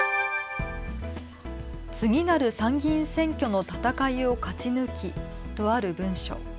次なる参議院選挙の戦いを勝ち抜きとある文書。